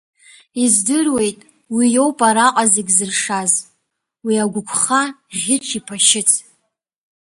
Издыруеит, уи иоуп араҟа зегь зыршаз, уи агәықәха, ӷьыч иԥа шьыц!